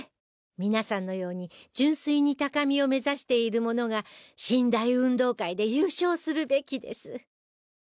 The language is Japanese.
皆さんのように純粋に高みを目指している者が神・大運動会で優勝するべきです。